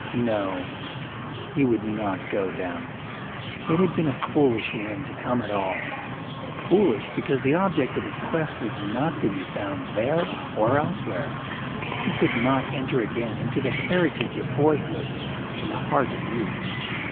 No, he would not go down. It had been a foolish whim to come at all foolish, because the object of his quest was not to be found there or elsewhere. He could not enter again into the heritage of boyhood and the heart of youth.